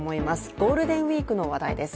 ゴールデンウイークの話題です。